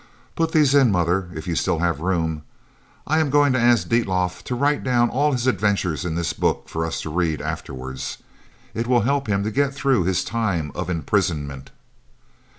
"Put these in, mother, if you still have room. I am going to ask Dietlof to write down all his adventures in this book for us to read afterwards. It will help him to get through his time of imprisonment."